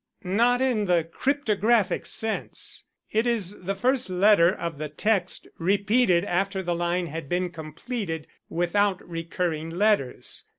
"Not in the cryptographic sense. It is the first letter of the text repeated after the line had been completed without recurring letters.